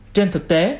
trên thực tế